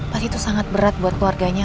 pasti itu sangat berat buat keluarganya